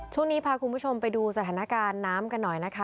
ช่วงนี้พาคุณผู้ชมไปดูสถานการณ์น้ำกันหน่อยนะคะ